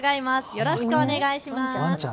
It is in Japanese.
よろしくお願いします。